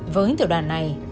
với tổ đoàn này